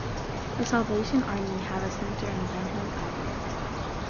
The Salvation Army have a centre in Benhill Avenue.